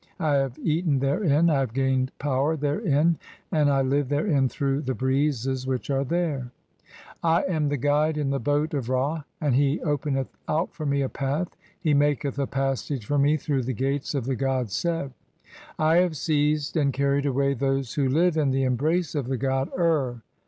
I have eaten therein, "I have gained power (4) therein, and I live therein through "the breezes [which are there]. I am the guide in the boat of "Ra, and he openeth out for me a path ; he maketh a passage "for me through the gates (5) of the god Seb. I have seized "and carried away those who live in the embrace of the god "Ur